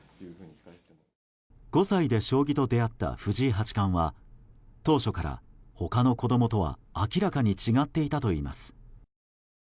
５歳で将棋と出会った藤井八冠は当初から他の子供とは明らかに違っていたといいます。